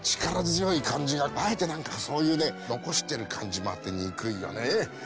力強い感じがあえてなんかそういうね残してる感じもあってニクいよね。